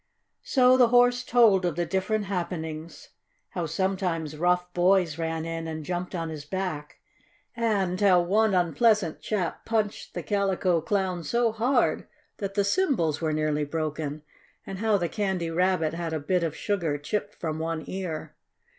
So the Horse told of the different happenings, how sometimes rough boys ran in and jumped on his back, and how one unpleasant chap punched the Calico Clown so hard that the cymbals were nearly broken, and how the Candy Rabbit had a bit of sugar chipped from one ear.